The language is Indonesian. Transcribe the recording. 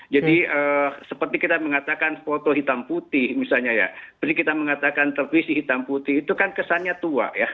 jadi seperti kita mengatakan foto hitam putih misalnya seperti kita mengatakan tervisi hitam putih itu kan kesannya tua